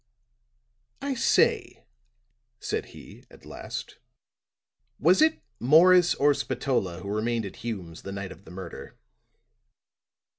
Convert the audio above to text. "I say," said he, at last, "was it Morris or Spatola who remained at Hume's the night of the murder?"